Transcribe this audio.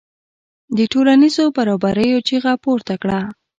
د ټولنیزو برابریو چیغه پورته کړه.